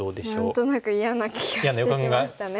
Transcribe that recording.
何となく嫌な気がしてきましたね。